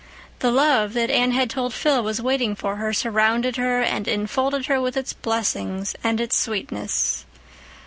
The love that Anne had told Phil was waiting for her surrounded her and enfolded her with its blessing and its sweetness.